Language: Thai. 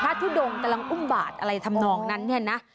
ทุดงกำลังอุ้มบาทอะไรทำนองนั้นเนี่ยนะ